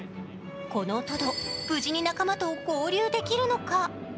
このトド、無事に仲間と合流できるのか。